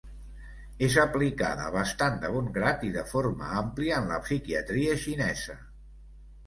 És aplicada bastant de bon grat i de forma àmplia en la psiquiatria xinesa.